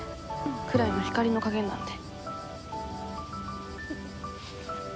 暗いの光の加減なので。